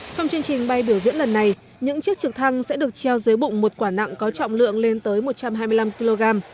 trong chương trình bay biểu diễn lần này những chiếc trực thăng sẽ được treo dưới bụng một quả nặng có trọng lượng lên tới một trăm hai mươi năm kg